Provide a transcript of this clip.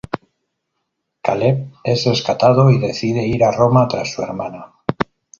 Caleb es rescatado y decide ir a Roma tras su hermana.